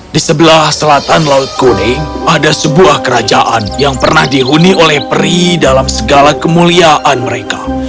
di sebelah selatan laut kuning ada sebuah kerajaan yang pernah dihuni oleh peri dalam segala kemuliaan mereka